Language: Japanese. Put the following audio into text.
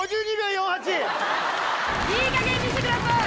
いいかげんにしてください。